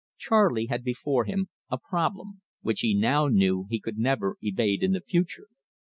Charley had before him a problem, which he now knew he never could evade in the future.